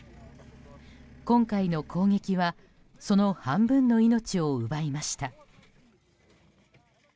今回の攻撃はその半分の命を奪いました。